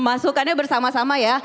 masukkannya bersama sama ya